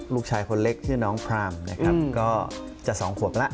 ลูกชายคนเล็กชื่อน้องพรามนะครับก็จะ๒ขวบแล้ว